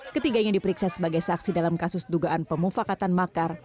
ketiganya diperiksa sebagai saksi dalam kasus dugaan pemufakatan makar